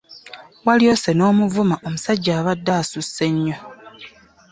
Walyose n'omuvuma, omusajja abadde asusse oyo!